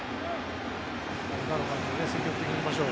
今の感じで積極的に行きましょう。